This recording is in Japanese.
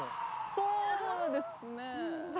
そうですね。